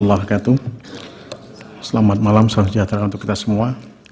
allah akatu selamat malam selamat sejahtera untuk kita semua